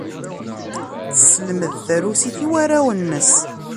Tesselmed tarusit i warraw-nnes.